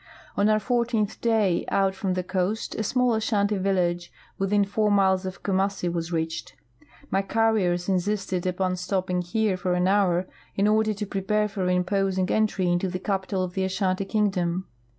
On our fourteenth day out from the coast a small Ashanti village, within four miles of Kumassi, was reached. My carriers insisted upon stopping here for an hour in order to prejiare for an imposing entry into the capital of the Ashanti kingdom.